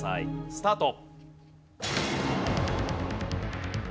スタート。